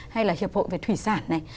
hay là hiệp hội về thủy sản này